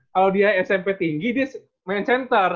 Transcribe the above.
kalau dia smp tinggi dia main center